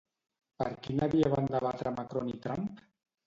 Per quina via van debatre Macron i Trump?